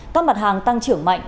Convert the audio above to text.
các mặt hàng tăng trưởng mạnh